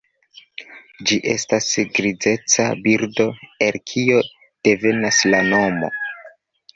Ĝi estas grizeca birdo, el kio devenas la nomo.